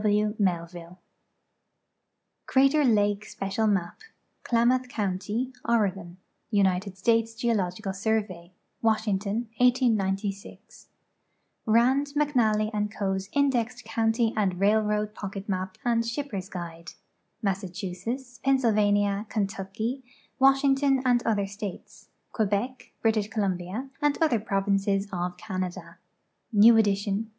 O. W. Melviu.e. Crater Ixikc Special Map. Klamath County, Oregon. United States Geo logical Survey. 'Washington, 189fi. Rami, McXalhj ib Co.'s Indexed County and Railroad Pocket Map and Ship pers' Guide. INIa.ssachusetts, Pennsylvania, Kentucky, Washington, and other states: Quebec. British Columbia, and other provinces of Canada. New edition.